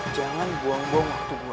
jangan buang buang waktu gue